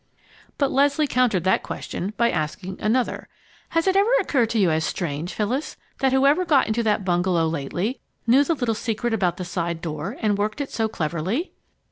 But Leslie countered that question by asking another: "Has it ever occurred to you as strange, Phyllis, that whoever got into that bungalow lately, knew the little secret about the side door and worked it so cleverly?"